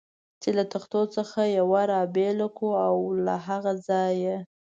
چې له تختو څخه یوه را بېله کړو او له هغه ځایه.